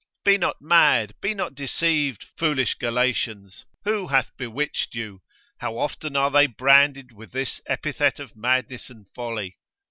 Be not mad, be not deceived, foolish Galatians, who hath bewitched you? How often are they branded with this epithet of madness and folly?